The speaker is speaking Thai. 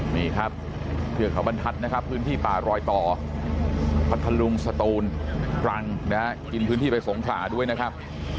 นี่ครับเทือกเขาบรรทัศน์นะครับพื้นที่ป่ารอยต่อพัทธลุงสตูนตรังนะฮะกินพื้นที่ไปสงขลาด้วยนะครับ